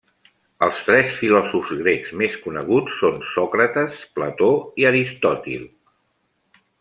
Els tres filòsofs grecs més coneguts són Sòcrates, Plató i Aristòtil.